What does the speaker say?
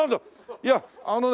いやあのね